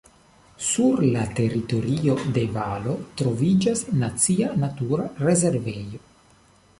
Sur la teritorio de valo troviĝas nacia natura rezervejo.